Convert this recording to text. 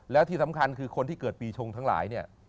แล้วที่สำคัญคือคนที่เกิดปีชงทั้งหลายเนี่ย